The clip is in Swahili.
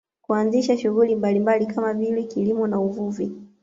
Kuanzisha shughuli mbalimbali kama vile kilimo na uvuvi